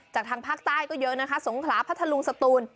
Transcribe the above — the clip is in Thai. ทางภาคใต้ก็เยอะนะคะสงขลาพัทธลุงสตูน